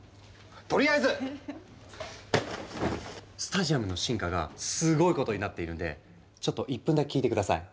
とりあえずスタジアムの進化がすごいことになっているんでちょっと１分だけ聞いて下さい。